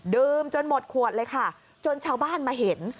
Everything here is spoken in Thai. จนหมดขวดเลยค่ะจนชาวบ้านมาเห็น